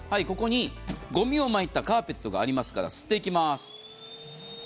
ここにごみをまいたカーペットがありますから、吸っていきます。